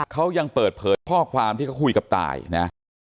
เขายังเปิดเผยข้อความที่เขาคุยกับตายนะ